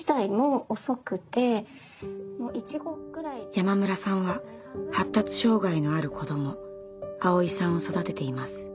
山村さんは発達障害のある子どもアオイさんを育てています。